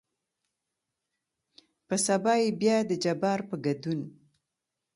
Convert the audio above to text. په سبا يې بيا دجبار په ګدون